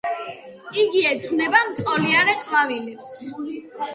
იგი ეძღვნება მწოლიარე ყვავილებს.